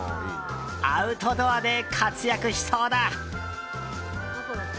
アウトドアで活躍しそうだ。